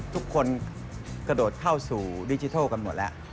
ทุกคนกระโดดเข้าสู่ดิจิทัลกันหมดแล้ว